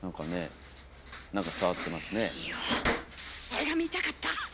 それが見たかった！